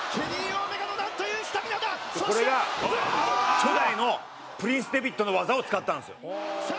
初代のプリンス・デヴィットの技を使ったんですよ。